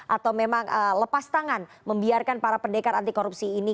atau memang lepas tangan membiarkan para pendekar anti korupsi ini